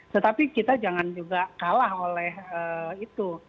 tetapi kita jangan juga kalah oleh itu